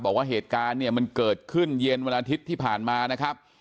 บอกว่าเหตุการณ์เนี่ยมันเกิดขึ้นเย็นวันอาทิตย์ที่ผ่านมานะครับ